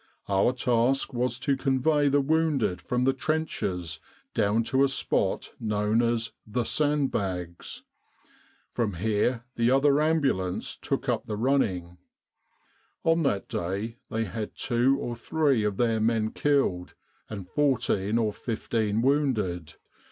Our task was to convey the wounded from the trenches down to a spot known as 4 The Sandbags.' From here the other ambulance took up the running. On that day they had two or three of their men killed, and 14 or 15 wounded.